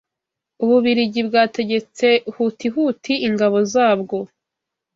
U Bubiligi bwategetse hutihuti ingabo zabwo